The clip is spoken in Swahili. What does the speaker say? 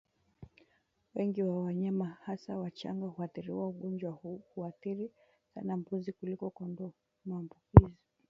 Wengi wa wanyama hasa wachanga huathiriwa Ugonjwa huu huathiri sana mbuzi kuliko kondoo Maambukizi